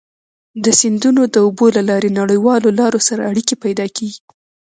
د سیندونو د اوبو له لارې نړیوالو لارو سره اړيکي پيدا کیږي.